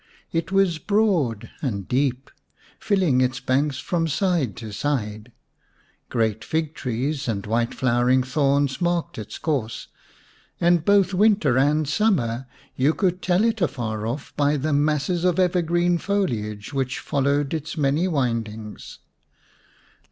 It was broad and deep, filling its banks from side to side ; great fig trees and white flowering thorns marked its course ; and both winter and summer you could tell it afar off by the masses of evergreen foliage which followed its many windings.